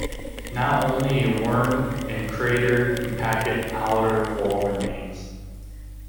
Now only a worn and crater-impacted outer wall remains.